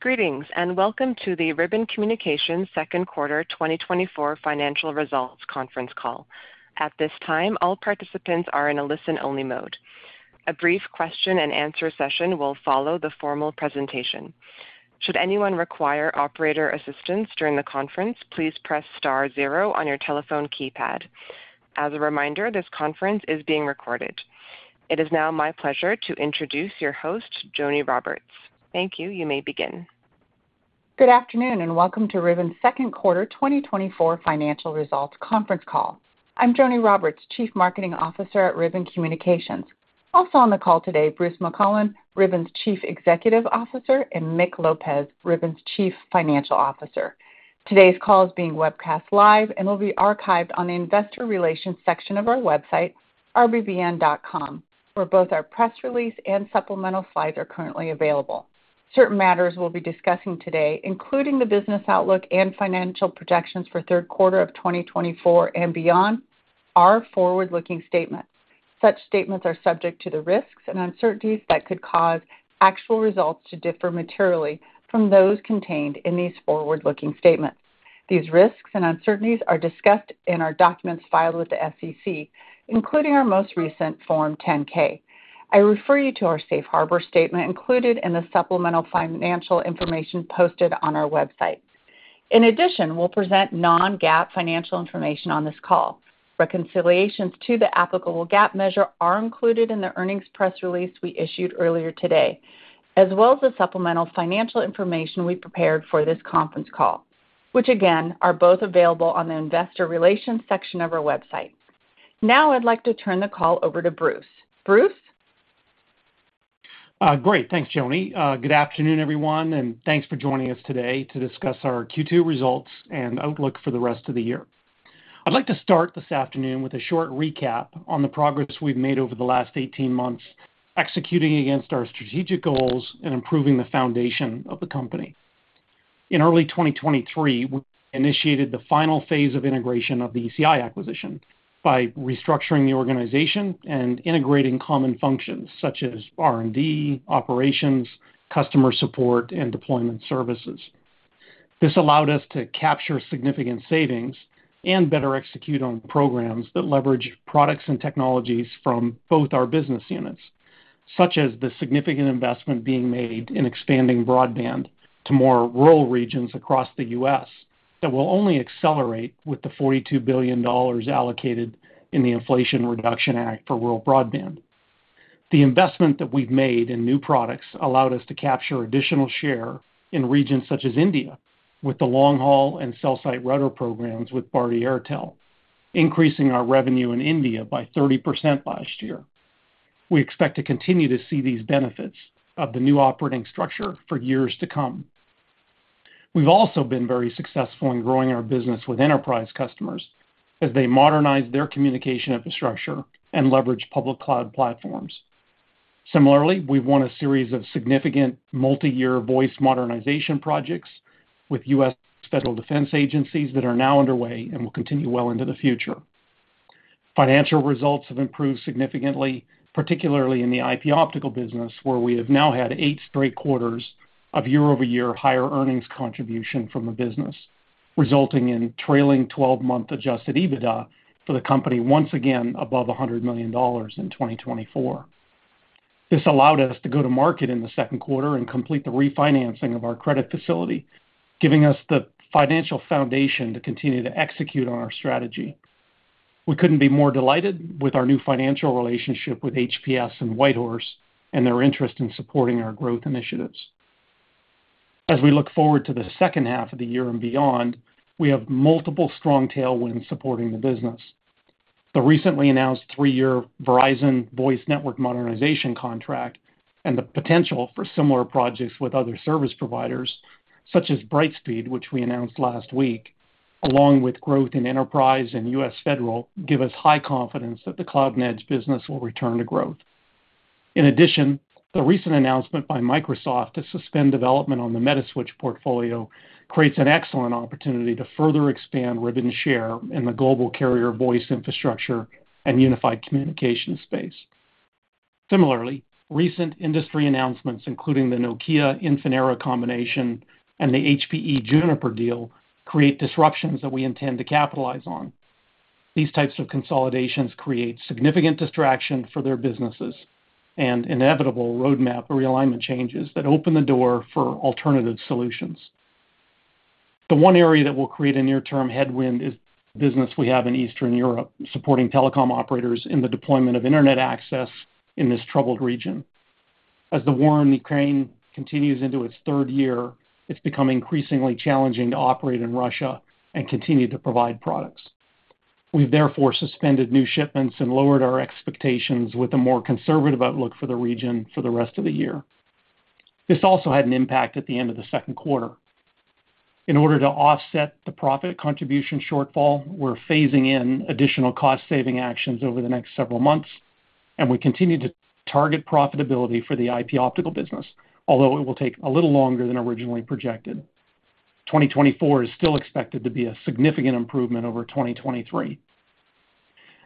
Greetings and welcome to the Ribbon Communications second quarter 2024 financial results conference call. At this time, all participants are in a listen-only mode. A brief question-and-answer session will follow the formal presentation. Should anyone require operator assistance during the conference, please press star zero on your telephone keypad. As a reminder, this conference is being recorded. It is now my pleasure to introduce your host, Joni Roberts. Thank you. You may begin. Good afternoon and welcome to Ribbon second quarter 2024 financial results conference call. I'm Joni Roberts, Chief Marketing Officer at Ribbon Communications. Also on the call today, Bruce McClelland, Ribbon's Chief Executive Officer, and Mick Lopez, Ribbon's Chief Financial Officer. Today's call is being webcast live and will be archived on the Investor Relations section of our website, rbbn.com, where both our press release and supplemental slides are currently available. Certain matters we'll be discussing today, including the business outlook and financial projections for Third Quarter of 2024 and beyond, are forward-looking statements. Such statements are subject to the risks and uncertainties that could cause actual results to differ materially from those contained in these forward-looking statements. These risks and uncertainties are discussed in our documents filed with the SEC, including our most recent Form 10-K. I refer you to our Safe Harbor statement included in the supplemental financial information posted on our website. In addition, we'll present non-GAAP financial information on this call. Reconciliations to the applicable GAAP measure are included in the earnings press release we issued earlier today, as well as the supplemental financial information we prepared for this conference call, which again are both available on the Investor Relations section of our website. Now, I'd like to turn the call over to Bruce. Bruce? Great. Thanks, Joni. Good afternoon, everyone, and thanks for joining us today to discuss our Q2 results and outlook for the rest of the year. I'd like to start this afternoon with a short recap on the progress we've made over the last 18 months executing against our strategic goals and improving the foundation of the company. In early 2023, we initiated the final phase of integration of the ECI acquisition by restructuring the organization and integrating common functions such as R&D, operations, customer support, and deployment services. This allowed us to capture significant savings and better execute on programs that leverage products and technologies from both our business units, such as the significant investment being made in expanding broadband to more rural regions across the U.S. that will only accelerate with the $42 billion allocated in the Inflation Reduction Act for rural broadband. The investment that we've made in new products allowed us to capture additional share in regions such as India, with the long haul and cell site router programs with Bharti Airtel, increasing our revenue in India by 30% last year. We expect to continue to see these benefits of the new operating structure for years to come. We've also been very successful in growing our business with enterprise customers as they modernize their communication infrastructure and leverage public cloud platforms. Similarly, we've won a series of significant multi-year voice modernization projects with U.S. federal defense agencies that are now underway and will continue well into the future. Financial results have improved significantly, particularly in the IP Optical business, where we have now had eight straight quarters of year-over-year higher earnings contribution from the business, resulting in trailing 12-month adjusted EBITDA for the company once again above $100 million in 2024. This allowed us to go to market in the second quarter and complete the refinancing of our credit facility, giving us the financial foundation to continue to execute on our strategy. We couldn't be more delighted with our new financial relationship with HPS and WhiteHorse and their interest in supporting our growth initiatives. As we look forward to the second half of the year and beyond, we have multiple strong tailwinds supporting the business: the recently announced three-year Verizon Voice Network modernization contract and the potential for similar projects with other service providers, such as Brightspeed, which we announced last week, along with growth in enterprise and U.S. Federal, give us high confidence that the Cloud-Edge business will return to growth. In addition, the recent announcement by Microsoft to suspend development on the Metaswitch portfolio creates an excellent opportunity to further expand Ribbon's share in the global carrier voice infrastructure and unified communications space. Similarly, recent industry announcements, including the Nokia/Infinera combination and the HPE Juniper deal, create disruptions that we intend to capitalize on. These types of consolidations create significant distraction for their businesses and inevitable roadmap realignment changes that open the door for alternative solutions. The one area that will create a near-term headwind is the business we have in Eastern Europe supporting telecom operators in the deployment of internet access in this troubled region. As the war in Ukraine continues into its third year, it's become increasingly challenging to operate in Russia and continue to provide products. We've therefore suspended new shipments and lowered our expectations with a more conservative outlook for the region for the rest of the year. This also had an impact at the end of the second quarter. In order to offset the profit contribution shortfall, we're phasing in additional cost-saving actions over the next several months, and we continue to target profitability for the IP Optical business, although it will take a little longer than originally projected. 2024 is still expected to be a significant improvement over 2023.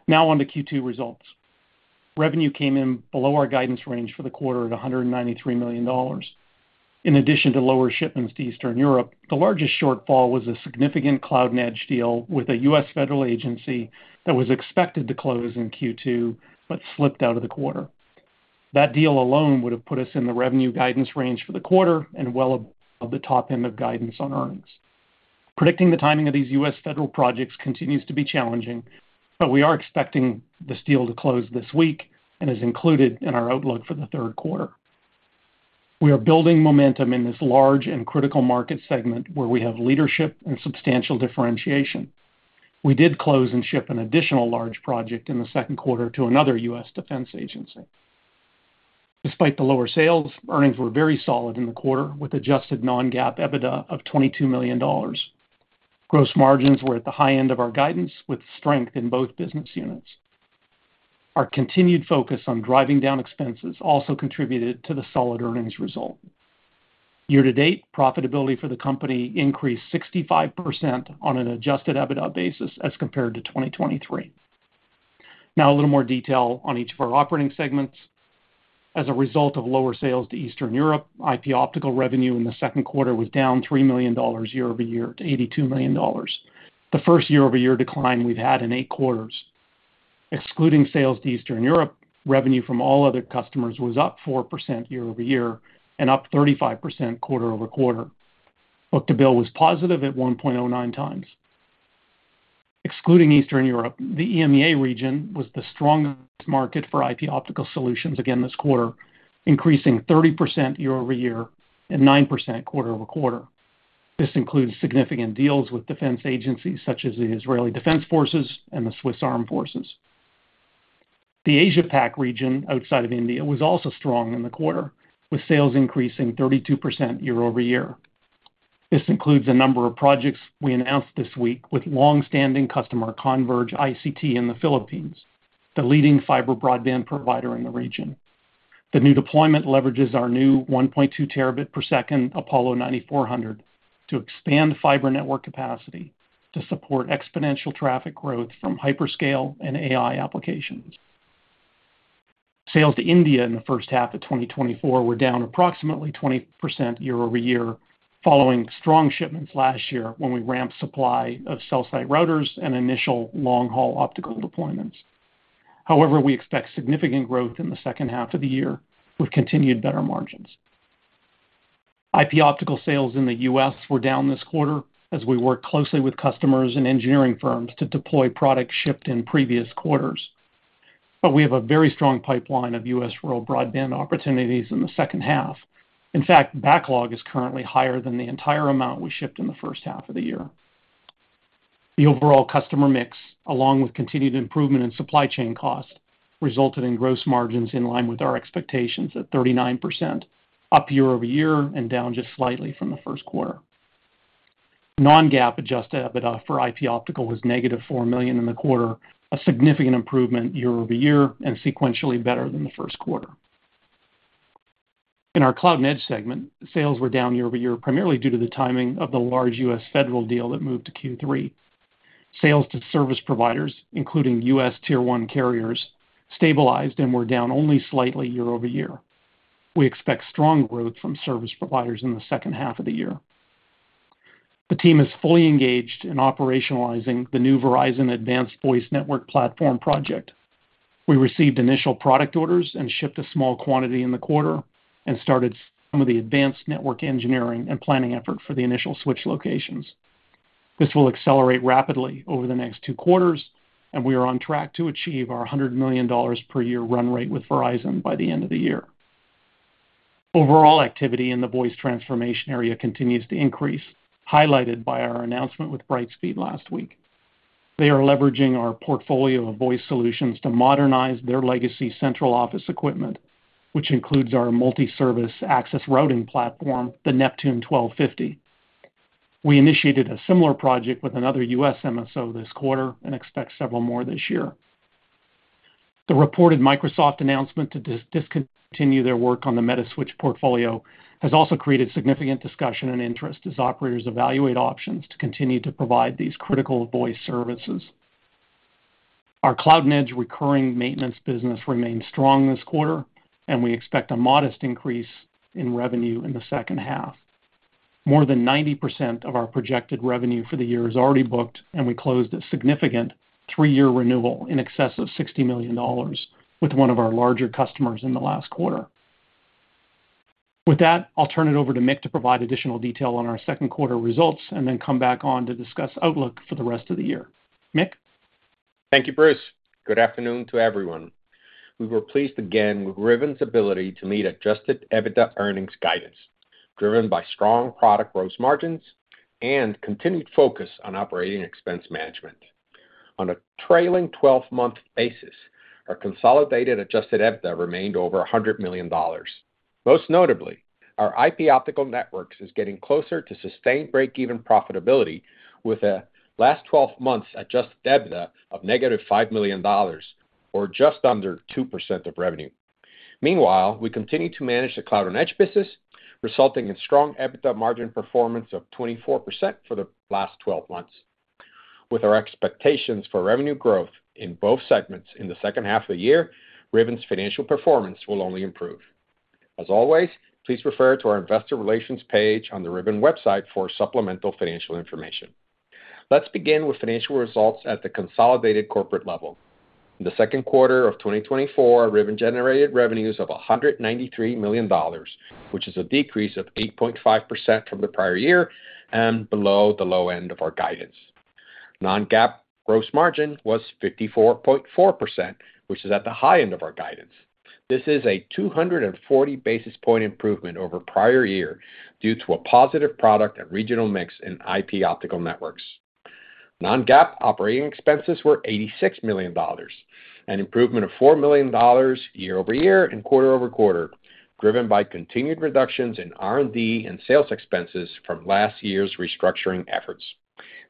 Now on to Q2 results. Revenue came in below our guidance range for the quarter at $193 million. In addition to lower shipments to Eastern Europe, the largest shortfall was a significant Cloud-Edge deal with a U.S. federal agency that was expected to close in Q2 but slipped out of the quarter. That deal alone would have put us in the revenue guidance range for the quarter and well above the top end of guidance on earnings. Predicting the timing of these U.S. federal projects continues to be challenging, but we are expecting this deal to close this week and is included in our outlook for the third quarter. We are building momentum in this large and critical market segment where we have leadership and substantial differentiation. We did close and ship an additional large project in the second quarter to another U.S. defense agency. Despite the lower sales, earnings were very solid in the quarter with adjusted non-GAAP EBITDA of $22 million. Gross margins were at the high end of our guidance with strength in both business units. Our continued focus on driving down expenses also contributed to the solid earnings result. Year-to-date, profitability for the company increased 65% on an adjusted EBITDA basis as compared to 2023. Now, a little more detail on each of our operating segments. As a result of lower sales to Eastern Europe, IP Optical revenue in the second quarter was down $3 million year-over-year to $82 million, the first year-over-year decline we've had in eight quarters. Excluding sales to Eastern Europe, revenue from all other customers was up 4% year-over-year and up 35% quarter-over-quarter. Book to bill was positive at 1.09x. Excluding Eastern Europe, the EMEA region was the strongest market for IP Optical solutions again this quarter, increasing 30% year-over-year and 9% quarter-over-quarter. This includes significant deals with defense agencies such as the Israeli Defense Forces and the Swiss Armed Forces. The Asia-Pac region outside of India was also strong in the quarter, with sales increasing 32% year-over-year. This includes a number of projects we announced this week with longstanding customer Converge ICT in the Philippines, the leading fiber broadband provider in the region. The new deployment leverages our new 1.2 Tb per second Apollo 9400 to expand fiber network capacity to support exponential traffic growth from hyperscale and AI applications. Sales to India in the first half of 2024 were down approximately 20% year-over-year, following strong shipments last year when we ramped supply of cell site routers and initial long-haul Optical deployments. However, we expect significant growth in the second half of the year with continued better margins. IP Optical sales in the U.S. were down this quarter as we worked closely with customers and engineering firms to deploy products shipped in previous quarters. But we have a very strong pipeline of U.S. rural broadband opportunities in the second half. In fact, backlog is currently higher than the entire amount we shipped in the first half of the year. The overall customer mix, along with continued improvement in supply chain costs, resulted in gross margins in line with our expectations at 39%, up year-over-year and down just slightly from the first quarter. Non-GAAP adjusted EBITDA for IP Optical was -$4 million in the quarter, a significant improvement year-over-year and sequentially better than the first quarter. In our Cloud-Edge segment, sales were down year-over-year primarily due to the timing of the large U.S. federal deal that moved to Q3. Sales to service providers, including U.S. Tier 1 carriers, stabilized and were down only slightly year-over-year. We expect strong growth from service providers in the second half of the year. The team is fully engaged in operationalizing the new Verizon Advanced Voice Network Platform project. We received initial product orders and shipped a small quantity in the quarter and started some of the advanced network engineering and planning effort for the initial switch locations. This will accelerate rapidly over the next two quarters, and we are on track to achieve our $100 million per year run rate with Verizon by the end of the year. Overall activity in the voice transformation area continues to increase, highlighted by our announcement with Brightspeed last week. They are leveraging our portfolio of voice solutions to modernize their legacy central office equipment, which includes our multi-service access routing platform, the Neptune 1250. We initiated a similar project with another U.S. MSO this quarter and expect several more this year. The reported Microsoft announcement to discontinue their work on the Metaswitch portfolio has also created significant discussion and interest as operators evaluate options to continue to provide these critical voice services. Our Cloud-Edge recurring maintenance business remained strong this quarter, and we expect a modest increase in revenue in the second half. More than 90% of our projected revenue for the year is already booked, and we closed a significant three-year renewal in excess of $60 million with one of our larger customers in the last quarter. With that, I'll turn it over to Mick to provide additional detail on our second quarter results and then come back on to discuss outlook for the rest of the year. Mick? Thank you, Bruce. Good afternoon to everyone. We were pleased again with Ribbon's ability to meet adjusted EBITDA earnings guidance, driven by strong product gross margins and continued focus on operating expense management. On a trailing 12-month basis, our consolidated adjusted EBITDA remained over $100 million. Most notably, our IP Optical Networks is getting closer to sustained break-even profitability with a last 12 months adjusted EBITDA of -$5 million, or just under 2% of revenue. Meanwhile, we continue to manage the Cloud-Edge business, resulting in strong EBITDA margin performance of 24% for the last 12 months. With our expectations for revenue growth in both segments in the second half of the year, Ribbon's financial performance will only improve. As always, please refer to our investor relations page on the Ribbon website for supplemental financial information. Let's begin with financial results at the consolidated corporate level. In the second quarter of 2024, Ribbon generated revenues of $193 million, which is a decrease of 8.5% from the prior year and below the low end of our guidance. Non-GAAP gross margin was 54.4%, which is at the high end of our guidance. This is a 240 basis points improvement over prior year due to a positive product and regional mix in IP Optical Networks. Non-GAAP operating expenses were $86 million, an improvement of $4 million year-over-year and quarter-over-quarter, driven by continued reductions in R&D and sales expenses from last year's restructuring efforts.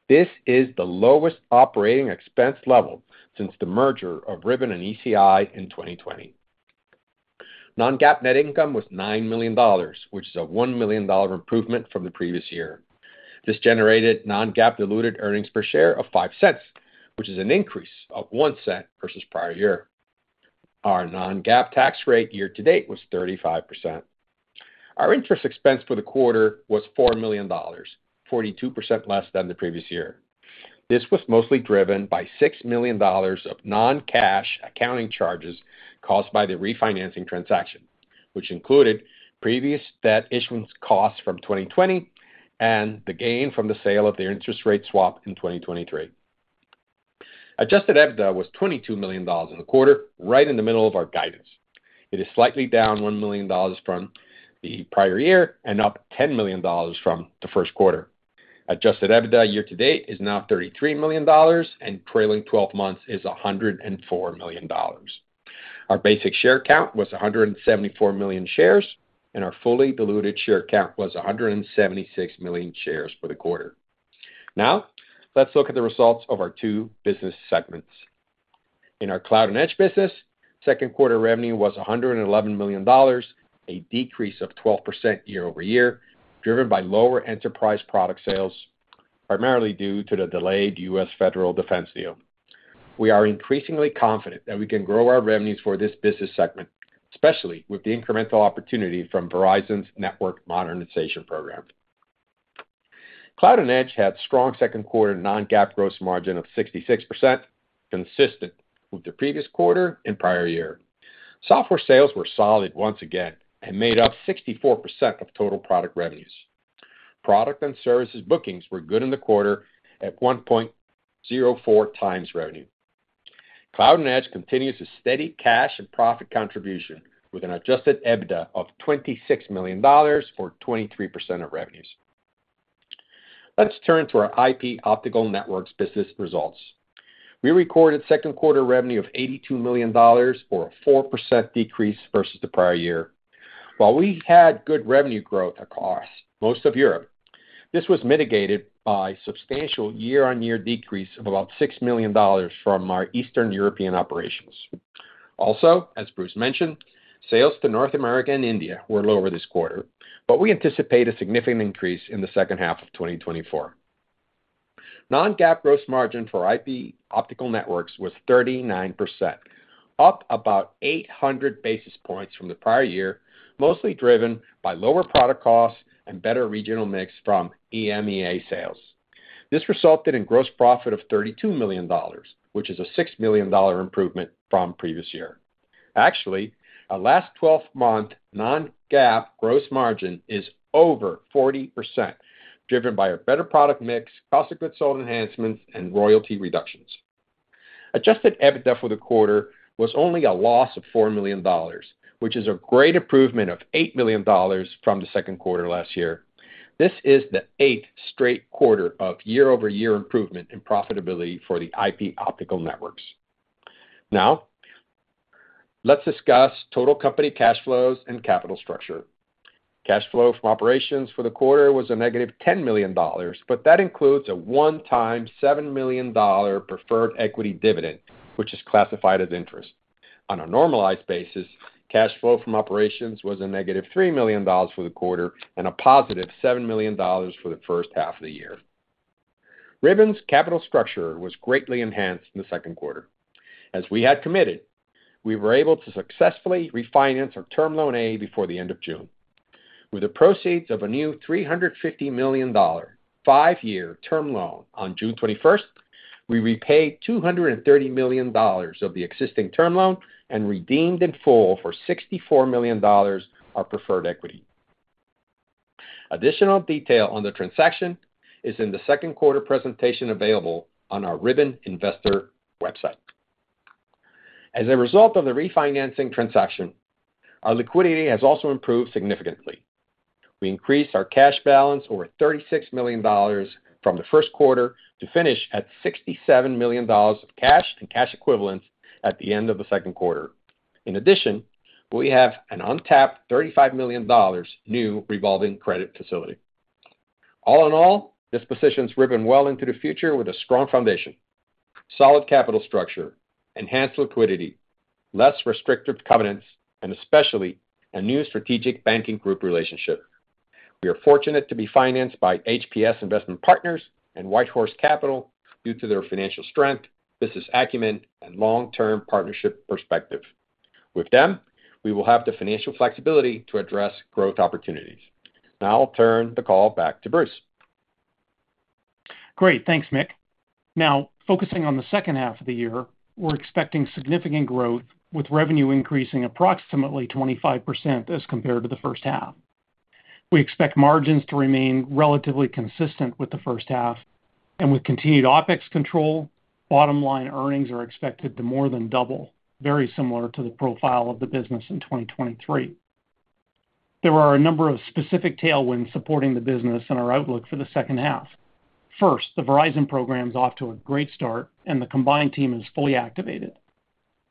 This is the lowest operating expense level since the merger of Ribbon and ECI in 2020. Non-GAAP net income was $9 million, which is a $1 million improvement from the previous year. This generated non-GAAP diluted earnings per share of $0.05, which is an increase of $0.01 versus prior year. Our non-GAAP tax rate year-to-date was 35%. Our interest expense for the quarter was $4 million, 42% less than the previous year. This was mostly driven by $6 million of non-cash accounting charges caused by the refinancing transaction, which included previous debt issuance costs from 2020 and the gain from the sale of the interest rate swap in 2023. Adjusted EBITDA was $22 million in the quarter, right in the middle of our guidance. It is slightly down $1 million from the prior year and up $10 million from the first quarter. Adjusted EBITDA year-to-date is now $33 million, and trailing 12 months is $104 million. Our basic share count was 174 million shares, and our fully diluted share count was 176 million shares for the quarter. Now, let's look at the results of our two business segments. In our Cloud-Edge business, second quarter revenue was $111 million, a decrease of 12% year-over-year, driven by lower enterprise product sales, primarily due to the delayed U.S. federal defense deal. We are increasingly confident that we can grow our revenues for this business segment, especially with the incremental opportunity from Verizon's network modernization program. Cloud-Edge had a strong second quarter Non-GAAP gross margin of 66%, consistent with the previous quarter and prior year. Software sales were solid once again and made up 64% of total product revenues. Product and services bookings were good in the quarter, at 1.04x revenue. Cloud-Edge continues a steady cash and profit contribution with an adjusted EBITDA of $26 million for 23% of revenues. Let's turn to our IP Optical Networks business results. We recorded second quarter revenue of $82 million, or a 4% decrease versus the prior year. While we had good revenue growth across most of Europe, this was mitigated by a substantial year-over-year decrease of about $6 million from our Eastern European operations. Also, as Bruce mentioned, sales to North America and India were lower this quarter, but we anticipate a significant increase in the second half of 2024. Non-GAAP gross margin for IP Optical Networks was 39%, up about 800 basis points from the prior year, mostly driven by lower product costs and better regional mix from EMEA sales. This resulted in gross profit of $32 million, which is a $6 million improvement from previous year. Actually, our last 12-month non-GAAP gross margin is over 40%, driven by a better product mix, cost of goods sold enhancements, and royalty reductions. Adjusted EBITDA for the quarter was only a loss of $4 million, which is a great improvement of $8 million from the second quarter last year. This is the eighth straight quarter of year-over-year improvement in profitability for the IP Optical Networks. Now, let's discuss total company cash flows and capital structure. Cash flow from operations for the quarter was a negative $10 million, but that includes a one-time $7 million preferred equity dividend, which is classified as interest. On a normalized basis, cash flow from operations was a negative $3 million for the quarter and a positive $7 million for the first half of the year. Ribbon's capital structure was greatly enhanced in the second quarter. As we had committed, we were able to successfully refinance our Term Loan A before the end of June. With the proceeds of a new $350 million 5-year term loan on June 21st, we repaid $230 million of the existing term loan and redeemed in full for $64 million our preferred equity. Additional detail on the transaction is in the second quarter presentation available on our Ribbon Investor website. As a result of the refinancing transaction, our liquidity has also improved significantly. We increased our cash balance over $36 million from the first quarter to finish at $67 million of cash and cash equivalents at the end of the second quarter. In addition, we have an untapped $35 million new revolving credit facility. All in all, this positions Ribbon well into the future with a strong foundation, solid capital structure, enhanced liquidity, less restrictive covenants, and especially a new strategic banking group relationship. We are fortunate to be financed by HPS Investment Partners and WhiteHorse Capital due to their financial strength, business acumen, and long-term partnership perspective. With them, we will have the financial flexibility to address growth opportunities. Now I'll turn the call back to Bruce. Great. Thanks, Mick. Now, focusing on the second half of the year, we're expecting significant growth with revenue increasing approximately 25% as compared to the first half. We expect margins to remain relatively consistent with the first half, and with continued OPEX control, bottom line earnings are expected to more than double, very similar to the profile of the business in 2023. There are a number of specific tailwinds supporting the business and our outlook for the second half. First, the Verizon program is off to a great start, and the combined team is fully activated.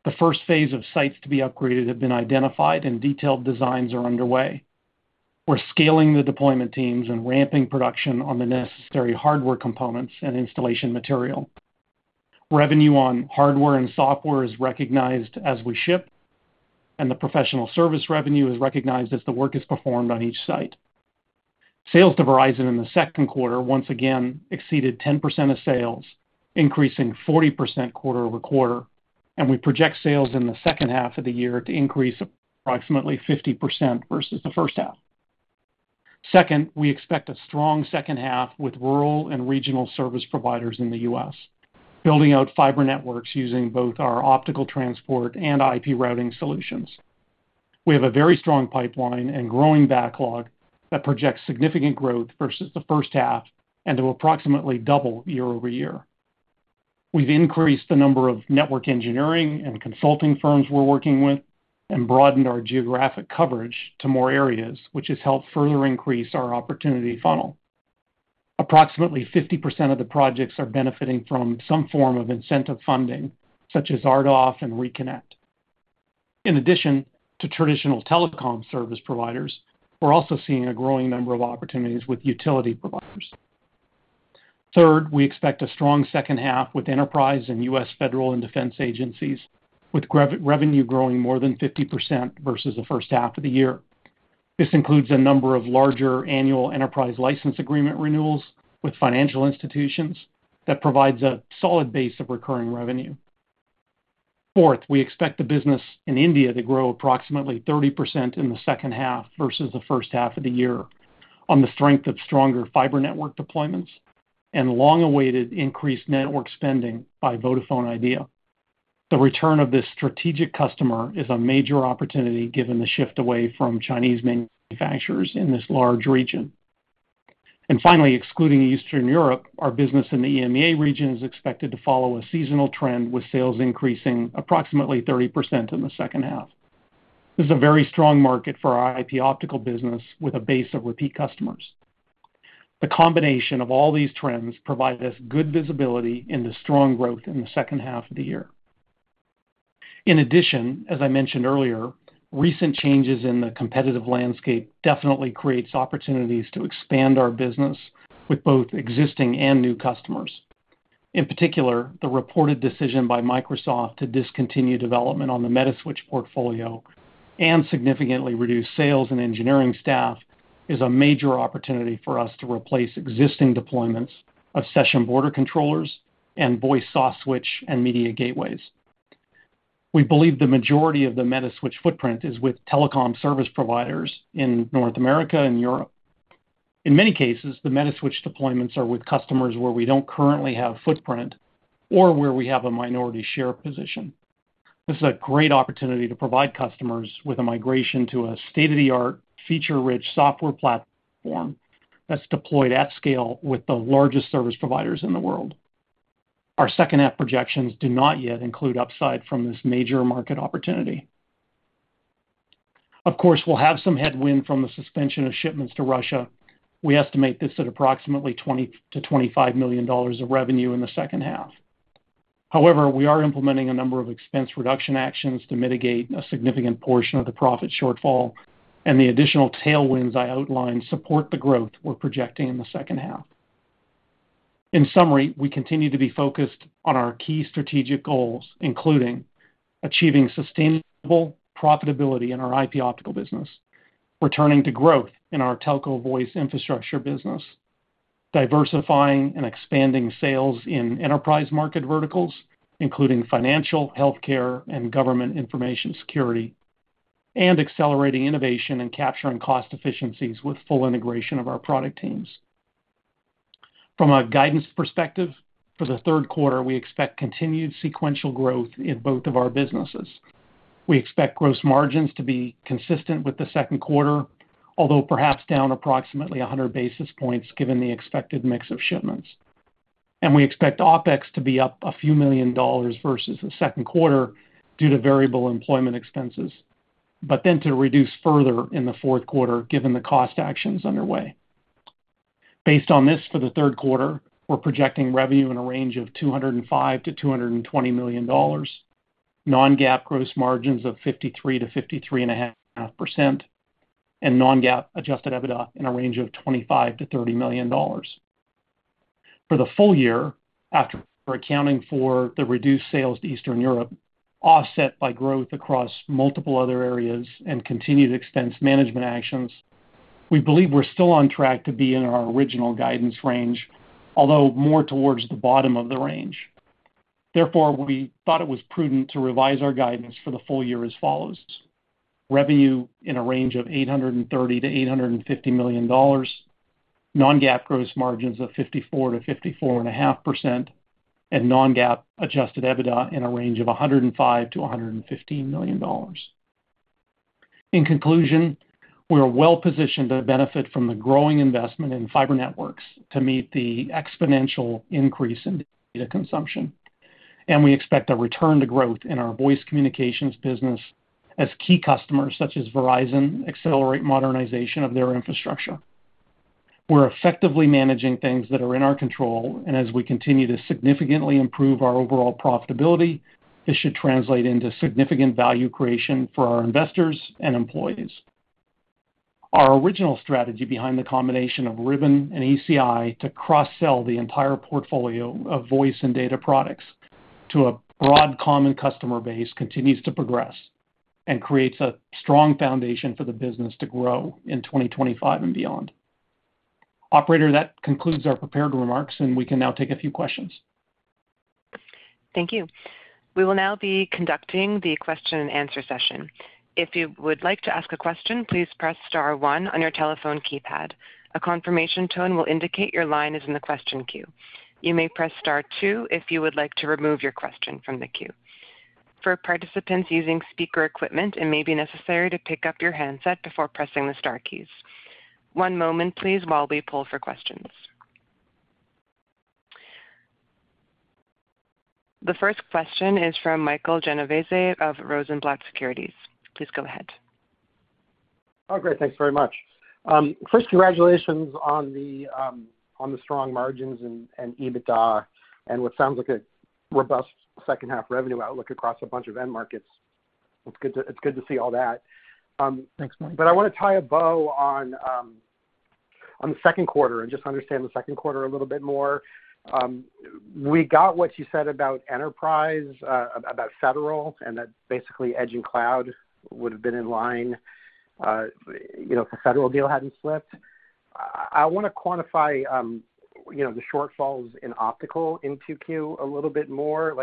The first phase of sites to be upgraded has been identified, and detailed designs are underway. We're scaling the deployment teams and ramping production on the necessary hardware components and installation material. Revenue on hardware and software is recognized as we ship, and the professional service revenue is recognized as the work is performed on each site. Sales to Verizon in the second quarter once again exceeded 10% of sales, increasing 40% quarter-over-quarter, and we project sales in the second half of the year to increase approximately 50% versus the first half. Second, we expect a strong second half with rural and regional service providers in the U.S., building out fiber networks using both our Optical transport and IP routing solutions. We have a very strong pipeline and growing backlog that projects significant growth versus the first half and to approximately double year-over-year. We've increased the number of network engineering and consulting firms we're working with and broadened our geographic coverage to more areas, which has helped further increase our opportunity funnel. Approximately 50% of the projects are benefiting from some form of incentive funding, such as RDoF and ReConnect. In addition to traditional telecom service providers, we're also seeing a growing number of opportunities with utility providers. Third, we expect a strong second half with enterprise and U.S. federal and defense agencies, with revenue growing more than 50% versus the first half of the year. This includes a number of larger annual enterprise license agreement renewals with financial institutions that provide a solid base of recurring revenue. Fourth, we expect the business in India to grow approximately 30% in the second half versus the first half of the year on the strength of stronger fiber network deployments and long-awaited increased network spending by Vodafone Idea. The return of this strategic customer is a major opportunity given the shift away from Chinese manufacturers in this large region. Finally, excluding Eastern Europe, our business in the EMEA region is expected to follow a seasonal trend with sales increasing approximately 30% in the second half. This is a very strong market for our IP Optical business with a base of repeat customers. The combination of all these trends provides us good visibility into strong growth in the second half of the year. In addition, as I mentioned earlier, recent changes in the competitive landscape definitely create opportunities to expand our business with both existing and new customers. In particular, the reported decision by Microsoft to discontinue development on the Metaswitch portfolio and significantly reduce sales and engineering staff is a major opportunity for us to replace existing deployments of session border controllers and voice softswitch and media gateways. We believe the majority of the Metaswitch footprint is with telecom service providers in North America and Europe. In many cases, the Metaswitch deployments are with customers where we don't currently have footprint or where we have a minority share position. This is a great opportunity to provide customers with a migration to a state-of-the-art, feature-rich software platform that's deployed at scale with the largest service providers in the world. Our second-half projections do not yet include upside from this major market opportunity. Of course, we'll have some headwind from the suspension of shipments to Russia. We estimate this at approximately $20-$25 million of revenue in the second half. However, we are implementing a number of expense reduction actions to mitigate a significant portion of the profit shortfall, and the additional tailwinds I outlined support the growth we're projecting in the second half. In summary, we continue to be focused on our key strategic goals, including achieving sustainable profitability in our IP Optical business, returning to growth in our telco voice infrastructure business, diversifying and expanding sales in enterprise market verticals, including financial, healthcare, and government information security, and accelerating innovation and capturing cost efficiencies with full integration of our product teams. From a guidance perspective, for the third quarter, we expect continued sequential growth in both of our businesses. We expect gross margins to be consistent with the second quarter, although perhaps down approximately 100 basis points given the expected mix of shipments. We expect OpEx to be up a few million versus the second quarter due to variable employment expenses, but then to reduce further in the fourth quarter given the cost actions underway. Based on this, for the third quarter, we're projecting revenue in a range of $205-$220 million, non-GAAP gross margins of 53%-53.5%, and non-GAAP Adjusted EBITDA in a range of $25-$30 million. For the full year, after accounting for the reduced sales to Eastern Europe, offset by growth across multiple other areas and continued expense management actions, we believe we're still on track to be in our original guidance range, although more towards the bottom of the range. Therefore, we thought it was prudent to revise our guidance for the full year as follows: revenue in a range of $830-$850 million, non-GAAP gross margins of 54%-54.5%, and non-GAAP Adjusted EBITDA in a range of $105-$115 million. In conclusion, we are well positioned to benefit from the growing investment in fiber networks to meet the exponential increase in data consumption, and we expect a return to growth in our voice communications business as key customers such as Verizon accelerate modernization of their infrastructure. We're effectively managing things that are in our control, and as we continue to significantly improve our overall profitability, this should translate into significant value creation for our investors and employees. Our original strategy behind the combination of Ribbon and ECI to cross-sell the entire portfolio of voice and data products to a broad common customer base continues to progress and creates a strong foundation for the business to grow in 2025 and beyond. Operator, that concludes our prepared remarks, and we can now take a few questions. Thank you. We will now be conducting the question and answer session. If you would like to ask a question, please press star one on your telephone keypad. A confirmation tone will indicate your line is in the question queue. You may press star two if you would like to remove your question from the queue. For participants using speaker equipment, it may be necessary to pick up your handset before pressing the star keys. One moment, please, while we pull for questions. The first question is from Michael Genovese of Rosenblatt Securities. Please go ahead. Oh, great. Thanks very much. First, congratulations on the strong margins and EBITDA and what sounds like a robust second-half revenue outlook across a bunch of end markets. It's good to see all that. But I want to tie a bow on the second quarter and just understand the second quarter a little bit more. We got what you said about enterprise, about federal, and that basically Edge and Cloud would have been in line if the federal deal hadn't slipped. I want to quantify the shortfalls in Optical into Q3 a little bit more.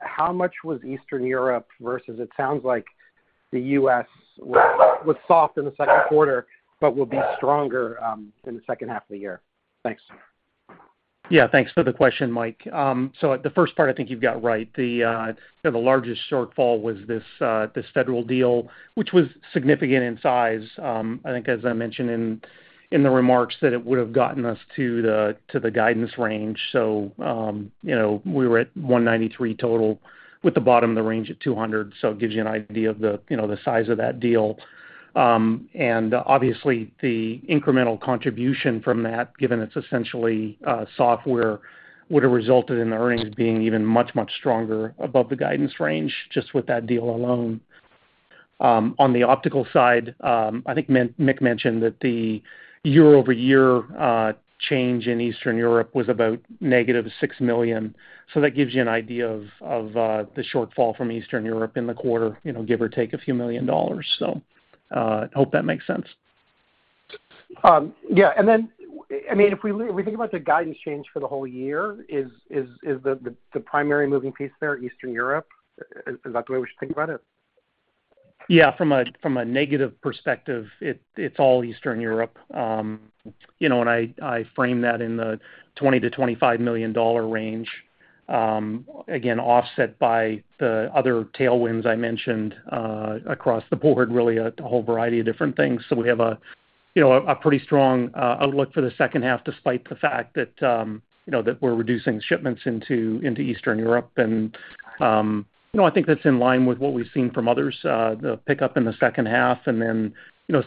How much was Eastern Europe versus it sounds like the U.S. was soft in the second quarter but will be stronger in the second half of the year? Thanks. Yeah, thanks for the question, Mike. So the first part, I think you've got right. The largest shortfall was this federal deal, which was significant in size. I think, as I mentioned in the remarks, that it would have gotten us to the guidance range. So we were at $193 total with the bottom of the range at $200. So it gives you an idea of the size of that deal. And obviously, the incremental contribution from that, given it's essentially software, would have resulted in the earnings being even much, much stronger above the guidance range just with that deal alone. On the Optical side, I think Mick mentioned that the year-over-year change in Eastern Europe was about -$6 million. So that gives you an idea of the shortfall from Eastern Europe in the quarter, give or take $a few million. So I hope that makes sense. Yeah. And then, I mean, if we think about the guidance change for the whole year, is the primary moving piece there Eastern Europe? Is that the way we should think about it? Yeah. From a negative perspective, it's all Eastern Europe. And I frame that in the $20 million-$25 million range, again, offset by the other tailwinds I mentioned across the board, really a whole variety of different things. So we have a pretty strong outlook for the second half despite the fact that we're reducing shipments into Eastern Europe. And I think that's in line with what we've seen from others, the pickup in the second half, and then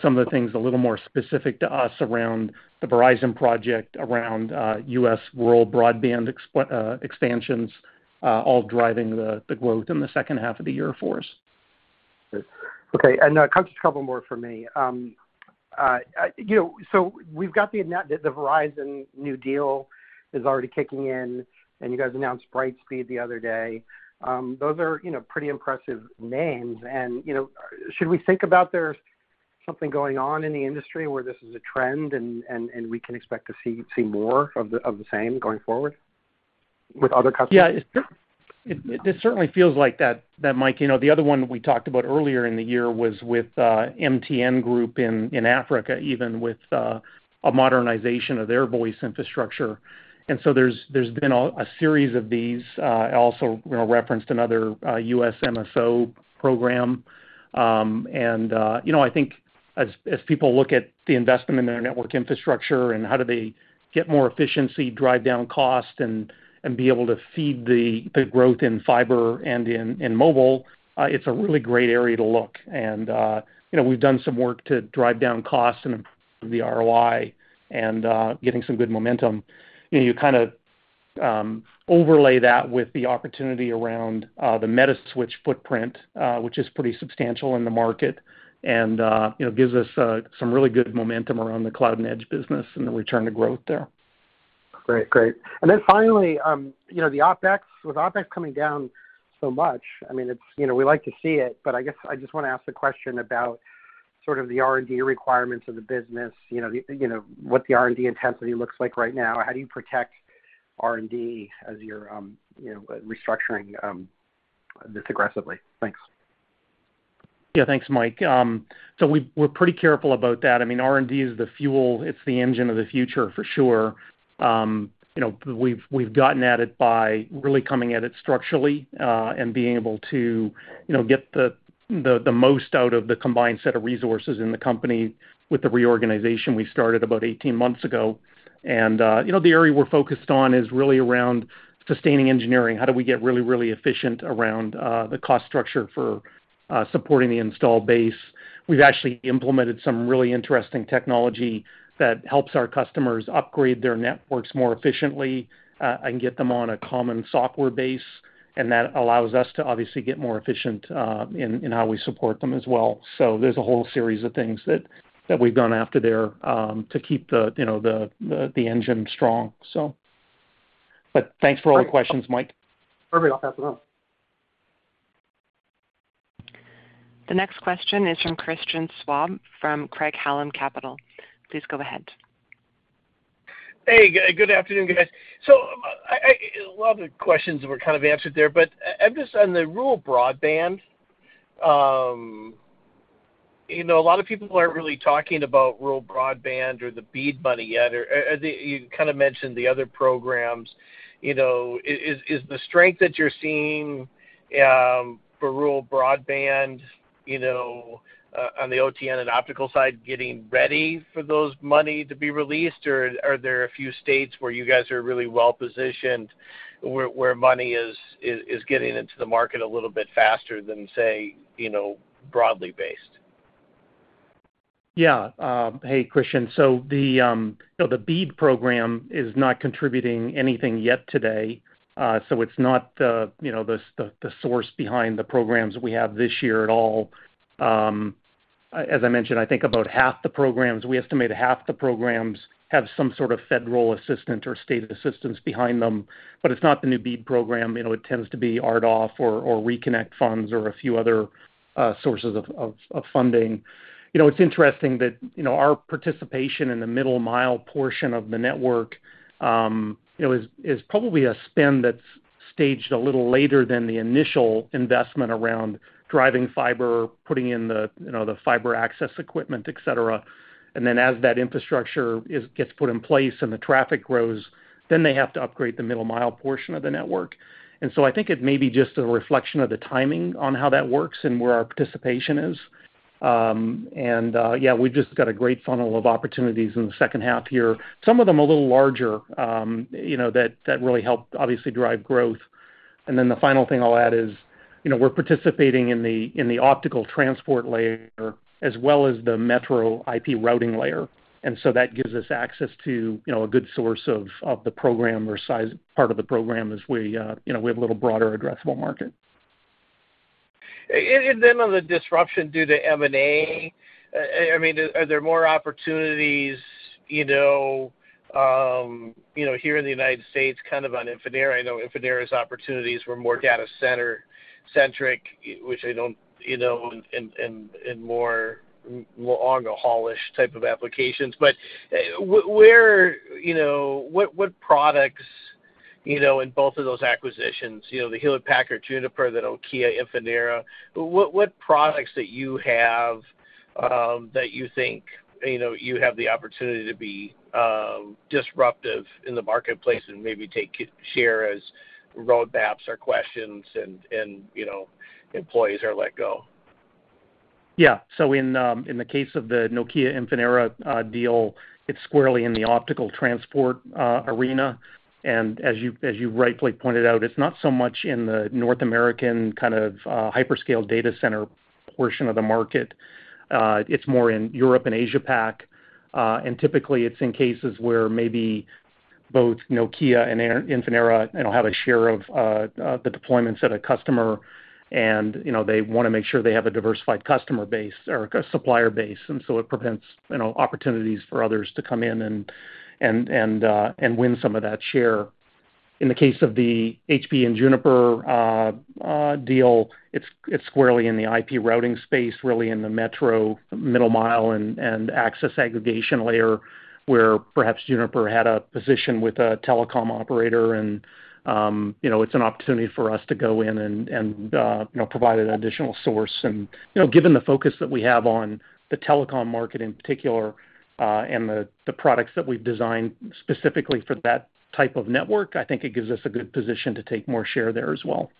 some of the things a little more specific to us around the Verizon project around U.S. world broadband expansions, all driving the growth in the second half of the year for us. Okay. And a couple more for me. So we've got the Verizon new deal is already kicking in, and you guys announced Brightspeed the other day. Those are pretty impressive names. And should we think about there's something going on in the industry where this is a trend and we can expect to see more of the same going forward with other customers? Yeah. This certainly feels like that, Mike. The other one we talked about earlier in the year was with MTN Group in Africa, even with a modernization of their voice infrastructure. So there's been a series of these. I also referenced another U.S. MSO program. I think as people look at the investment in their network infrastructure and how do they get more efficiency, drive down cost, and be able to feed the growth in fiber and in mobile, it's a really great area to look. We've done some work to drive down costs and improve the ROI and getting some good momentum. You kind of overlay that with the opportunity around the Metaswitch footprint, which is pretty substantial in the market and gives us some really good momentum around the Cloud and Edge business and the return to growth there. Great. Great. And then finally, the OpEx, with OpEx coming down so much, I mean, we like to see it, but I guess I just want to ask a question about sort of the R&D requirements of the business, what the R&D intensity looks like right now. How do you protect R&D as you're restructuring this aggressively? Thanks. Yeah. Thanks, Mike. So we're pretty careful about that. I mean, R&D is the fuel. It's the engine of the future, for sure. We've gotten at it by really coming at it structurally and being able to get the most out of the combined set of resources in the company with the reorganization we started about 18 months ago. The area we're focused on is really around sustaining engineering. How do we get really, really efficient around the cost structure for supporting the install base? We've actually implemented some really interesting technology that helps our customers upgrade their networks more efficiently and get them on a common software base. That allows us to obviously get more efficient in how we support them as well. So there's a whole series of things that we've gone after there to keep the engine strong, so. Thanks for all the questions, Mike. Perfect. I'll pass it on. The next question is from Christian Schwab from Craig-Hallum Capital Group. Please go ahead. Hey. Good afternoon, guys. So a lot of the questions were kind of answered there, but I'm just on the rural broadband. A lot of people aren't really talking about rural broadband or the BEAD money yet. You kind of mentioned the other programs. Is the strength that you're seeing for rural broadband on the OTN and Optical side getting ready for those money to be released? Or are there a few states where you guys are really well positioned, where money is getting into the market a little bit faster than, say, broadly based? Yeah. Hey, Christian. So the BEAD program is not contributing anything yet today. So it's not the source behind the programs we have this year at all. As I mentioned, I think about half the programs, we estimate half the programs have some sort of federal assistance or state assistance behind them, but it's not the new BEAD program. It tends to be RDoF or ReConnect funds or a few other sources of funding. It's interesting that our participation in the middle-mile portion of the network is probably a spend that's staged a little later than the initial investment around driving fiber, putting in the fiber access equipment, etc. And then as that infrastructure gets put in place and the traffic grows, then they have to upgrade the middle-mile portion of the network. And so I think it may be just a reflection of the timing on how that works and where our participation is. And yeah, we've just got a great funnel of opportunities in the second half here. Some of them a little larger that really help, obviously, drive growth. And then the final thing I'll add is we're participating in the Optical transport layer as well as the metro IP routing layer. And so that gives us access to a good source of the program or part of the program as we have a little broader addressable market. And then on the disruption due to M&A, I mean, are there more opportunities here in the United States kind of on Infinera? I know Infinera's opportunities were more data center-centric, which I don't know, and more on the haul-ish type of applications. But what products in both of those acquisitions, the Hewlett-Packard, Juniper, the Nokia, Infinera? What products that you have that you think you have the opportunity to be disruptive in the marketplace and maybe take share as roadmaps or questions and employees are let go? Yeah. So in the case of the Nokia Infinera deal, it's squarely in the Optical transport arena. As you rightfully pointed out, it's not so much in the North American kind of hyperscale data center portion of the market. It's more in Europe and Asia-Pac. Typically, it's in cases where maybe both Nokia and Infinera have a share of the deployments at a customer, and they want to make sure they have a diversified customer base or a supplier base. So it prevents opportunities for others to come in and win some of that share. In the case of the HP and Juniper deal, it's squarely in the IP routing space, really in the metro, middle-mile, and access aggregation layer where perhaps Juniper had a position with a telecom operator. It's an opportunity for us to go in and provide an additional source. Given the focus that we have on the telecom market in particular and the products that we've designed specifically for that type of network, I think it gives us a good position to take more share there as well.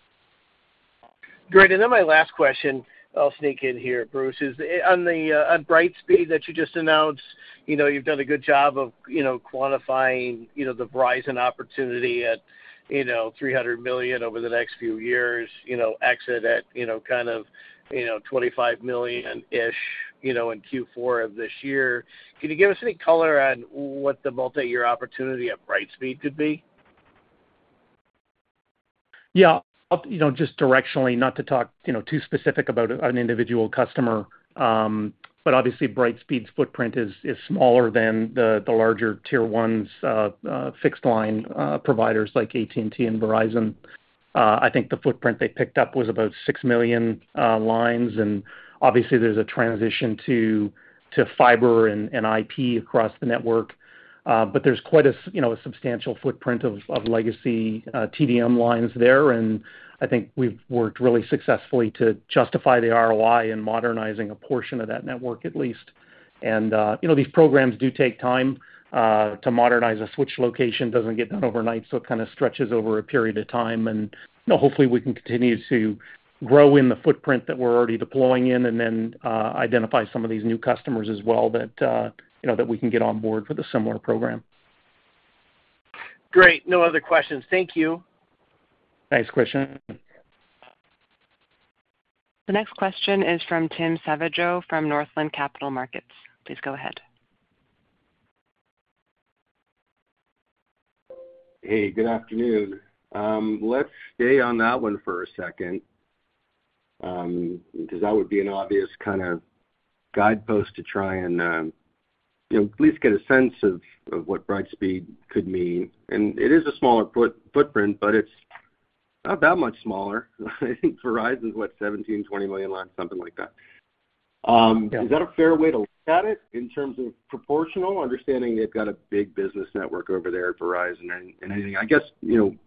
Great. Then my last question, I'll sneak in here, Bruce, is on Brightspeed that you just announced, you've done a good job of quantifying the Verizon opportunity at $300 million over the next few years, exit at kind of $25 million-ish in Q4 of this year. Can you give us any color on what the multi-year opportunity at Brightspeed could be? Yeah. Just directionally, not to talk too specific about an individual customer, but obviously, Brightspeed's footprint is smaller than the larger Tier 1 fixed-line providers like AT&T and Verizon. I think the footprint they picked up was about 6 million lines. And obviously, there's a transition to fiber and IP across the network. But there's quite a substantial footprint of legacy TDM lines there. And I think we've worked really successfully to justify the ROI in modernizing a portion of that network, at least. And these programs do take time to modernize. A switch location doesn't get done overnight, so it kind of stretches over a period of time. And hopefully, we can continue to grow in the footprint that we're already deploying in and then identify some of these new customers as well that we can get on board for the similar program. Great. No other questions. Thank you. Thanks, Christian. The next question is from Tim Savageaux from Northland Capital Markets. Please go ahead. Hey, good afternoon. Let's stay on that one for a second because that would be an obvious kind of guidepost to try and at least get a sense of what Brightspeed could mean. It is a smaller footprint, but it's not that much smaller. I think Verizon's what, 17-20 million lines, something like that. Is that a fair way to look at it in terms of proportional, understanding they've got a big business network over there at Verizon and anything? I guess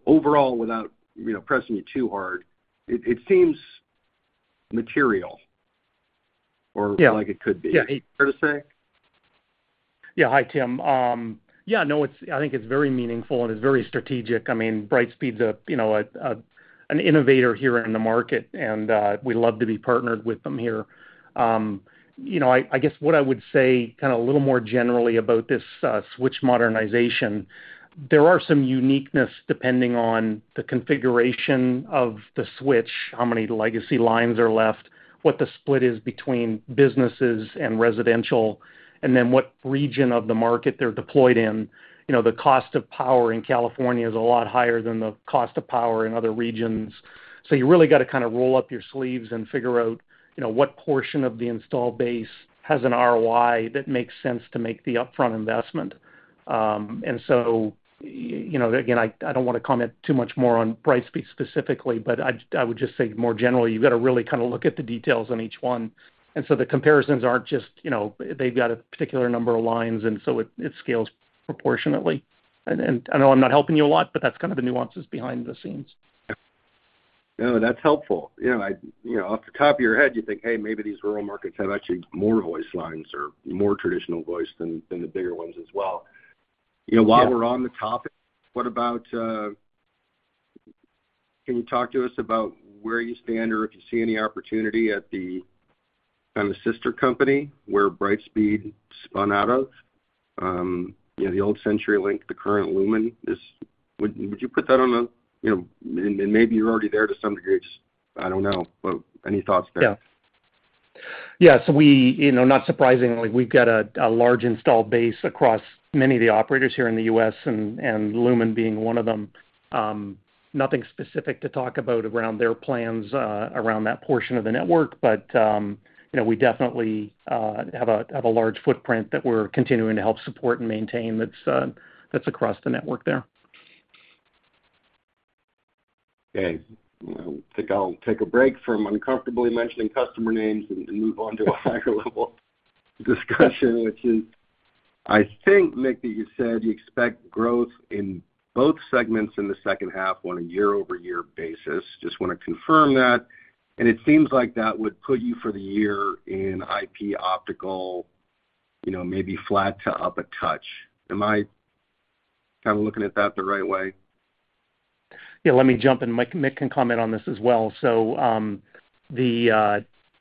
overall, without pressing you too hard, it seems material or like it could be. Is that fair to say? Yeah. Hi, Tim. Yeah. No, I think it's very meaningful and it's very strategic. I mean, Brightspeed's an innovator here in the market, and we love to be partnered with them here. I guess what I would say kind of a little more generally about this switch modernization, there are some uniqueness depending on the configuration of the switch, how many legacy lines are left, what the split is between businesses and residential, and then what region of the market they're deployed in. The cost of power in California is a lot higher than the cost of power in other regions. So you really got to kind of roll up your sleeves and figure out what portion of the install base has an ROI that makes sense to make the upfront investment. And so, again, I don't want to comment too much more on Brightspeed specifically, but I would just say more generally, you've got to really kind of look at the details on each one. And so the comparisons aren't just they've got a particular number of lines, and so it scales proportionately. And I know I'm not helping you a lot, but that's kind of the nuances behind the scenes. No, that's helpful. Off the top of your head, you think, "Hey, maybe these rural markets have actually more voice lines or more traditional voice than the bigger ones as well." While we're on the topic, what about, can you talk to us about where you stand or if you see any opportunity at the kind of sister company where Brightspeed spun out of? The old CenturyLink, the current Lumen. Would you put that on a and maybe you're already there to some degree. I don't know. But any thoughts there? Yeah. Yeah. So not surprisingly, we've got a large install base across many of the operators here in the U.S., and Lumen being one of them. Nothing specific to talk about around their plans around that portion of the network, but we definitely have a large footprint that we're continuing to help support and maintain that's across the network there. Okay. I'll take a break from uncomfortably mentioning customer names and move on to a higher-level discussion, which is, I think, Mick, you said you expect growth in both segments in the second half on a year-over-year basis. Just want to confirm that. And it seems like that would put you for the year in IP Optical, maybe flat to up a touch. Am I kind of looking at that the right way? Yeah. Let me jump in. Mick can comment on this as well. So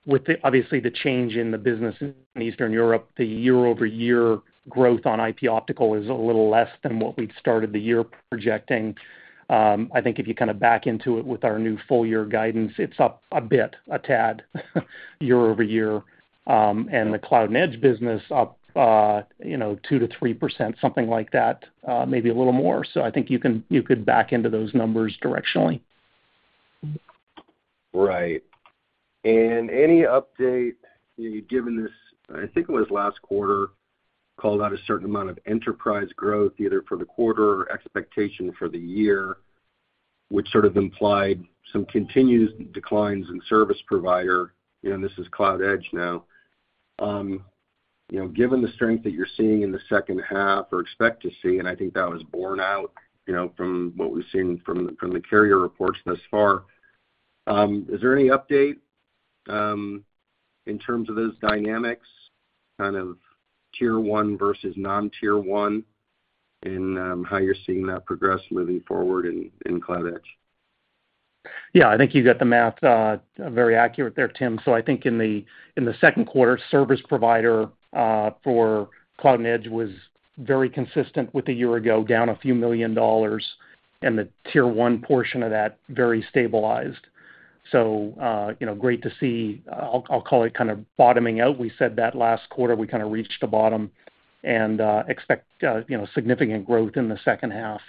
with, obviously, the change in the business in Eastern Europe, the year-over-year growth on IP Optical is a little less than what we'd started the year projecting. I think if you kind of back into it with our new full-year guidance, it's up a bit, a tad year-over-year. And the Cloud and Edge business up 2%-3%, something like that, maybe a little more. So I think you could back into those numbers directionally. Right. And any update given this? I think it was last quarter called out a certain amount of enterprise growth either for the quarter or expectation for the year, which sort of implied some continued declines in service provider. And this is Cloud-Edge now. Given the strength that you're seeing in the second half or expect to see, and I think that was borne out from what we've seen from the carrier reports thus far, is there any update in terms of those dynamics, kind of Tier 1 versus non-Tier 1, and how you're seeing that progress moving forward in Cloud-Edge? Yeah. I think you got the math very accurate there, Tim. So I think in the second quarter, service provider for Cloud and Edge was very consistent with a year ago, down $a few million, and the Tier 1 portion of that very stabilized. So great to see. I'll call it kind of bottoming out. We said that last quarter, we kind of reached the bottom and expect significant growth in the second half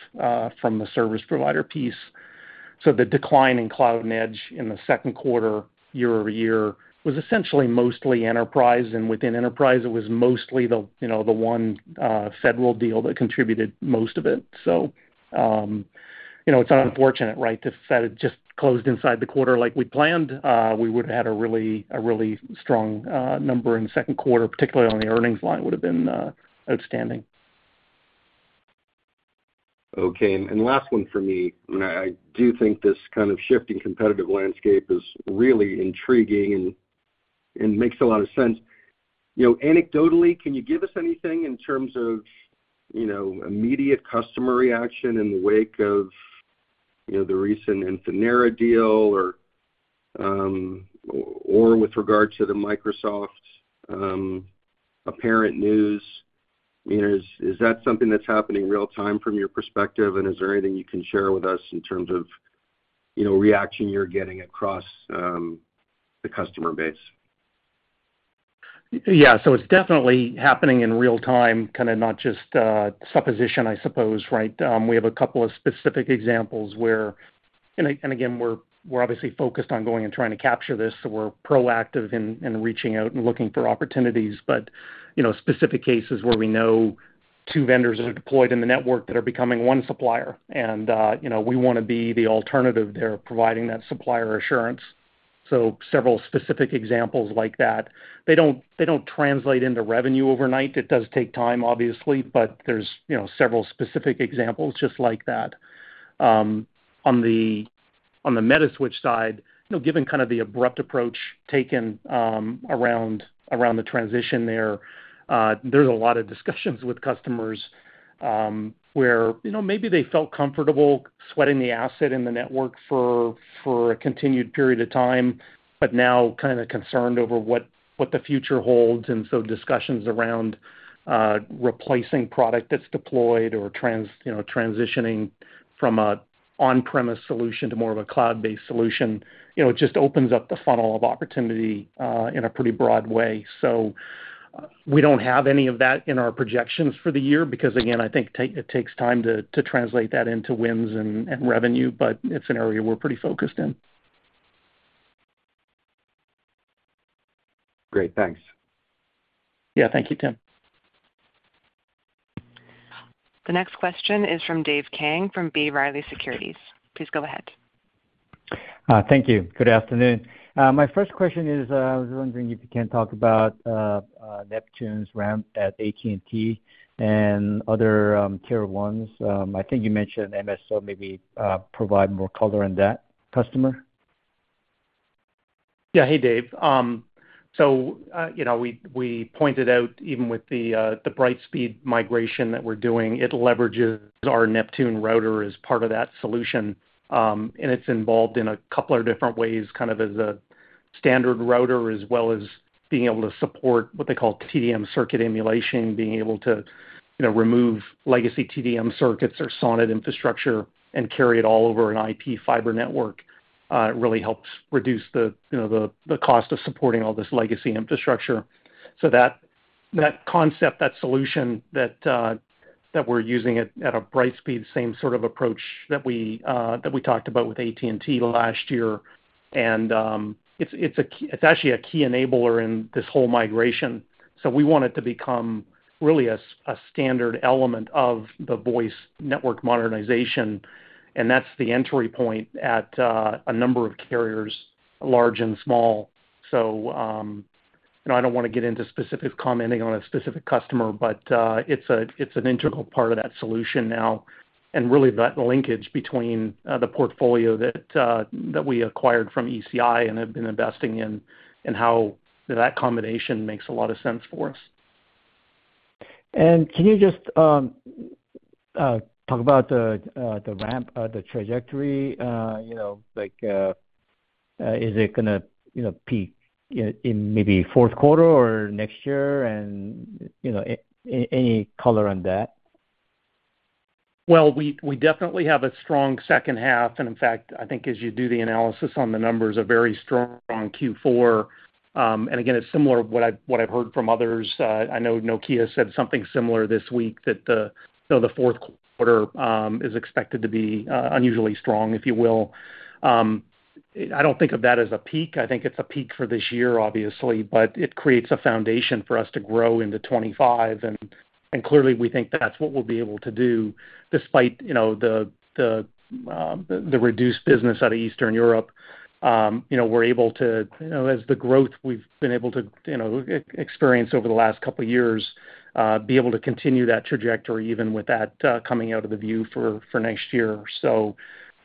from the service provider piece. So the decline in Cloud and Edge in the second quarter, year-over-year, was essentially mostly enterprise. And within enterprise, it was mostly the one federal deal that contributed most of it. So it's unfortunate, right, that it just closed inside the quarter like we'd planned. We would have had a really strong number in the second quarter, particularly on the earnings line, would have been outstanding. Okay. And last one for me. I do think this kind of shifting competitive landscape is really intriguing and makes a lot of sense. Anecdotally, can you give us anything in terms of immediate customer reaction in the wake of the recent Infinera deal or with regard to the Microsoft apparent news? Is that something that's happening real-time from your perspective? And is there anything you can share with us in terms of reaction you're getting across the customer base? Yeah. So it's definitely happening in real-time, kind of not just supposition, I suppose, right? We have a couple of specific examples where, and again, we're obviously focused on going and trying to capture this. So we're proactive in reaching out and looking for opportunities. But specific cases where we know two vendors are deployed in the network that are becoming one supplier, and we want to be the alternative there providing that supplier assurance. So several specific examples like that. They don't translate into revenue overnight. It does take time, obviously, but there's several specific examples just like that. On the Metaswitch side, given kind of the abrupt approach taken around the transition there, there's a lot of discussions with customers where maybe they felt comfortable sweating the asset in the network for a continued period of time, but now kind of concerned over what the future holds. Discussions around replacing product that's deployed or transitioning from an on-premise solution to more of a cloud-based solution just opens up the funnel of opportunity in a pretty broad way. We don't have any of that in our projections for the year because, again, I think it takes time to translate that into wins and revenue, but it's an area we're pretty focused in. Great. Thanks. Yeah. Thank you, Tim. The next question is from Dave Kang from B. Riley Securities. Please go ahead. Thank you. Good afternoon. My first question is, I was wondering if you can talk about Neptune's ramp at AT&T and other Tier 1s. I think you mentioned MSO; maybe provide more color in that customer? Yeah. Hey, Dave. So we pointed out even with the Brightspeed migration that we're doing, it leverages our Neptune router as part of that solution. And it's involved in a couple of different ways, kind of as a standard router as well as being able to support what they call TDM circuit emulation, being able to remove legacy TDM circuits or SONET infrastructure and carry it all over an IP fiber network. It really helps reduce the cost of supporting all this legacy infrastructure. So that concept, that solution that we're using at Brightspeed, same sort of approach that we talked about with AT&T last year. And it's actually a key enabler in this whole migration. So we want it to become really a standard element of the voice network modernization. And that's the entry point at a number of carriers, large and small. So I don't want to get into specific commenting on a specific customer, but it's an integral part of that solution now. And really that linkage between the portfolio that we acquired from ECI and have been investing in and how that combination makes a lot of sense for us. Can you just talk about the ramp, the trajectory? Is it going to peak in maybe fourth quarter or next year? Any color on that? Well, we definitely have a strong second half. And in fact, I think as you do the analysis on the numbers, a very strong Q4. And again, it's similar to what I've heard from others. I know Nokia said something similar this week that the fourth quarter is expected to be unusually strong, if you will. I don't think of that as a peak. I think it's a peak for this year, obviously, but it creates a foundation for us to grow into 2025. And clearly, we think that's what we'll be able to do despite the reduced business out of Eastern Europe. We're able to, as the growth we've been able to experience over the last couple of years, be able to continue that trajectory even with that coming out of the view for next year. So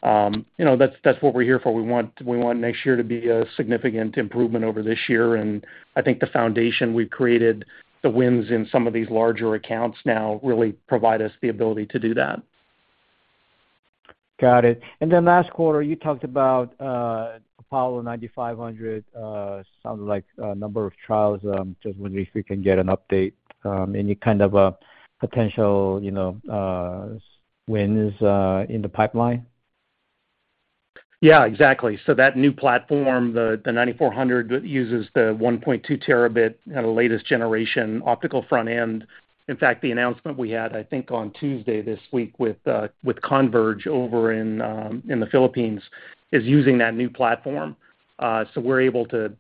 that's what we're here for. We want next year to be a significant improvement over this year. I think the foundation we've created, the wins in some of these larger accounts now really provide us the ability to do that. Got it. And then last quarter, you talked about Apollo 9500. Sounded like a number of trials. Just wondering if you can get an update on any kind of potential wins in the pipeline. Yeah. Exactly. So that new platform, the 9400, uses the 1.2 Tb and the latest generation Optical front end. In fact, the announcement we had, I think, on Tuesday this week with Converge over in the Philippines is using that new platform. So we're able to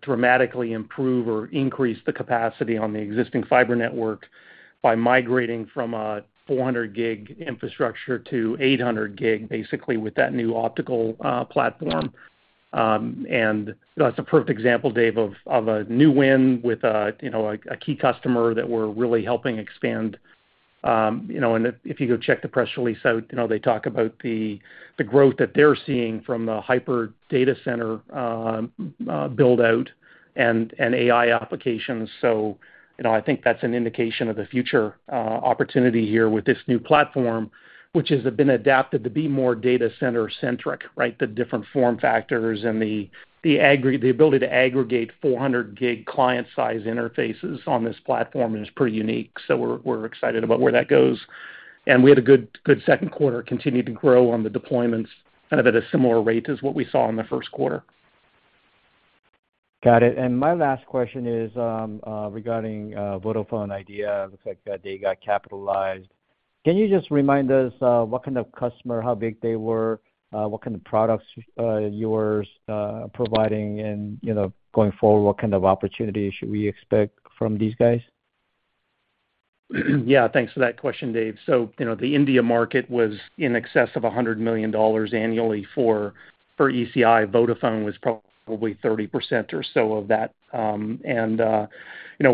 dramatically improve or increase the capacity on the existing fiber network by migrating from a 400 Gb infrastructure to 800 Gb, basically with that new Optical platform. And that's a perfect example, Dave, of a new win with a key customer that we're really helping expand. And if you go check the press release out, they talk about the growth that they're seeing from the hyperscale data center build-out and AI applications. So I think that's an indication of the future opportunity here with this new platform, which has been adapted to be more data center-centric, right? The different form factors and the ability to aggregate 400 Gb client-side interfaces on this platform is pretty unique. So we're excited about where that goes. We had a good second quarter, continued to grow on the deployments, kind of at a similar rate as what we saw in the first quarter. Got it. And my last question is regarding Vodafone Idea. It looks like they got capitalized. Can you just remind us what kind of customer, how big they were, what kind of products you're providing? And going forward, what kind of opportunities should we expect from these guys? Yeah. Thanks for that question, Dave. So the India market was in excess of $100 million annually for ECI. Vodafone was probably 30% or so of that. And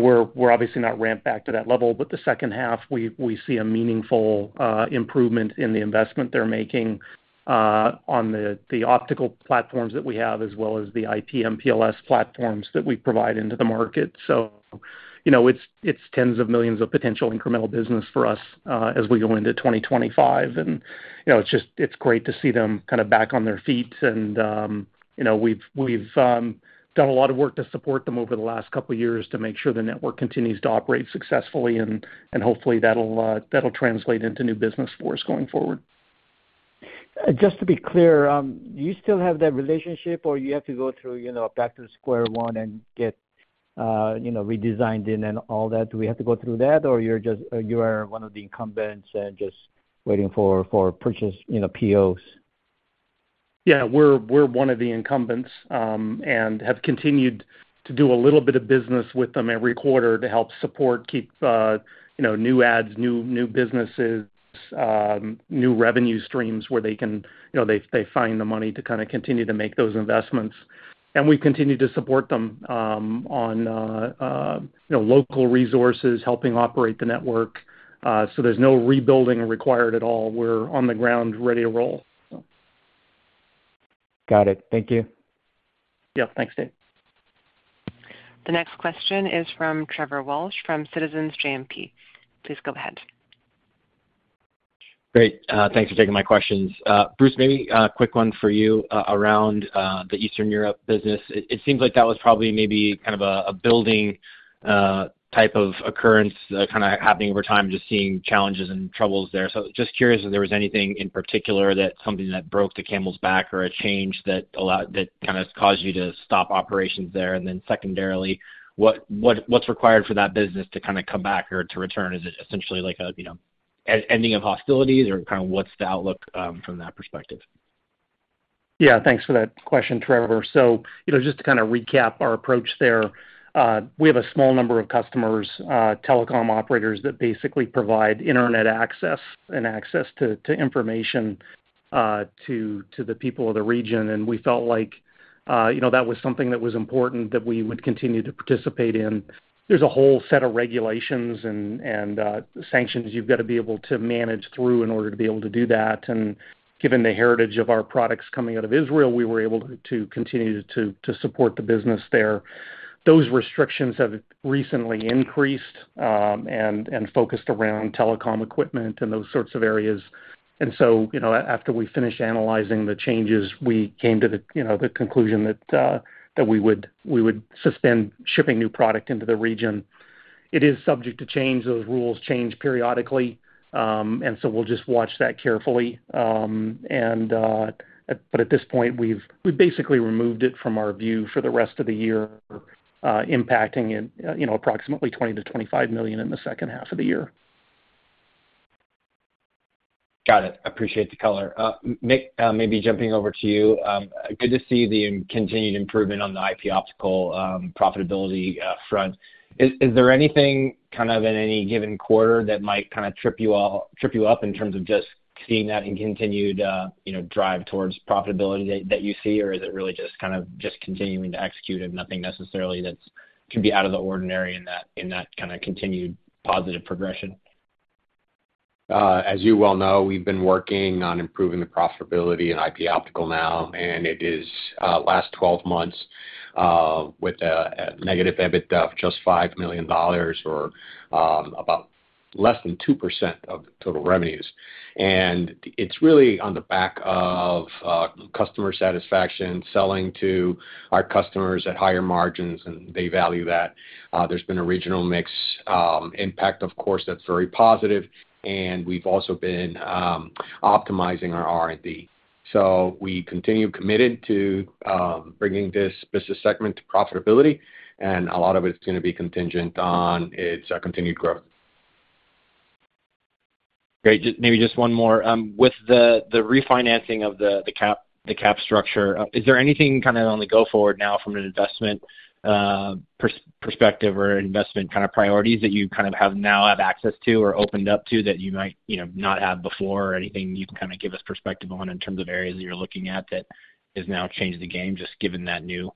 we're obviously not ramped back to that level. But the second half, we see a meaningful improvement in the investment they're making on the Optical platforms that we have as well as the IP/MPLS platforms that we provide into the market. So it's tens of millions of potential incremental business for us as we go into 2025. And it's great to see them kind of back on their feet. And we've done a lot of work to support them over the last couple of years to make sure the network continues to operate successfully. And hopefully, that'll translate into new business for us going forward. Just to be clear, do you still have that relationship or you have to go through back to square one and get redesigned in and all that? Do we have to go through that or you are one of the incumbents and just waiting for purchase POs? Yeah. We're one of the incumbents and have continued to do a little bit of business with them every quarter to help support, keep new ads, new businesses, new revenue streams where they can find the money to kind of continue to make those investments. We continue to support them on local resources, helping operate the network. There's no rebuilding required at all. We're on the ground, ready to roll. Got it. Thank you. Yeah. Thanks, Dave. The next question is from Trevor Walsh from Citizens JMP. Please go ahead. Great. Thanks for taking my questions. Bruce, maybe a quick one for you around the Eastern Europe business. It seems like that was probably maybe kind of a building type of occurrence kind of happening over time, just seeing challenges and troubles there. So just curious if there was anything in particular that something that broke the camel's back or a change that kind of caused you to stop operations there. And then secondarily, what's required for that business to kind of come back or to return? Is it essentially like an ending of hostilities or kind of what's the outlook from that perspective? Yeah. Thanks for that question, Trevor. So just to kind of recap our approach there, we have a small number of customers, telecom operators that basically provide internet access and access to information to the people of the region. And we felt like that was something that was important that we would continue to participate in. There's a whole set of regulations and sanctions you've got to be able to manage through in order to be able to do that. And given the heritage of our products coming out of Israel, we were able to continue to support the business there. Those restrictions have recently increased and focused around telecom equipment and those sorts of areas. And so after we finished analyzing the changes, we came to the conclusion that we would suspend shipping new product into the region. It is subject to change. Those rules change periodically. And so we'll just watch that carefully. But at this point, we've basically removed it from our view for the rest of the year, impacting approximately $20 million-$25 million in the second half of the year. Got it. I appreciate the color. Mick, maybe jumping over to you. Good to see the continued improvement on the IP Optical profitability front. Is there anything kind of in any given quarter that might kind of trip you up in terms of just seeing that and continued drive towards profitability that you see? Or is it really just kind of just continuing to execute and nothing necessarily that can be out of the ordinary in that kind of continued positive progression? As you well know, we've been working on improving the profitability in IP Optical now. And it is last 12 months with a negative EBITDA of just $5 million or about less than 2% of total revenues. And it's really on the back of customer satisfaction, selling to our customers at higher margins, and they value that. There's been a regional mix impact, of course, that's very positive. And we've also been optimizing our R&D. So we continue committed to bringing this business segment to profitability. And a lot of it's going to be contingent on its continued growth. Great. Maybe just one more. With the refinancing of the capital structure, is there anything kind of on the going forward now from an investment perspective or investment kind of priorities that you kind of have now have access to or opened up to that you might not have before or anything you can kind of give us perspective on in terms of areas that you're looking at that has now changed the game just given that new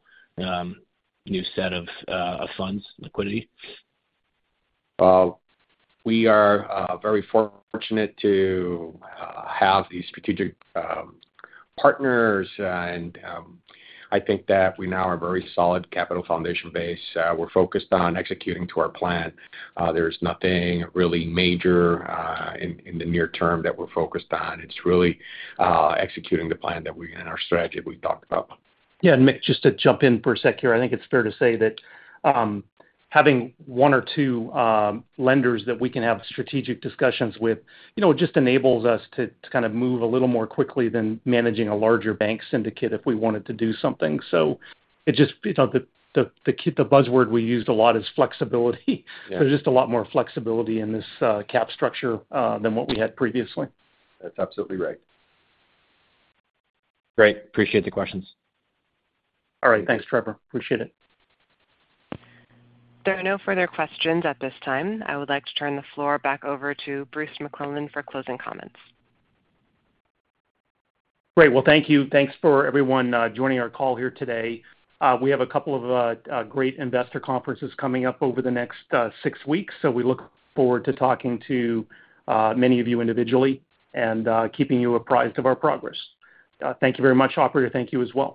set of funds, liquidity? We are very fortunate to have these strategic partners. I think that we now have a very solid capital foundation base. We're focused on executing to our plan. There's nothing really major in the near term that we're focused on. It's really executing the plan that we and our strategy that we talked about. Yeah. And just to jump in for a sec here, I think it's fair to say that having one or two lenders that we can have strategic discussions with just enables us to kind of move a little more quickly than managing a larger bank syndicate if we wanted to do something. So it's just the buzzword we used a lot is flexibility. There's just a lot more flexibility in this cap structure than what we had previously. That's absolutely right. Great. Appreciate the questions. All right. Thanks, Trevor. Appreciate it. There are no further questions at this time. I would like to turn the floor back over to Bruce McClelland for closing comments. Great. Well, thank you. Thanks for everyone joining our call here today. We have a couple of great investor conferences coming up over the next six weeks. So we look forward to talking to many of you individually and keeping you apprised of our progress. Thank you very much, Operator. Thank you as well.